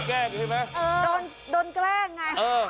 แกล้งใช่ไหมโดนแกล้งไง